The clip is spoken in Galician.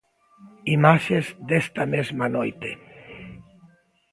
Imaxes desta mesma noite.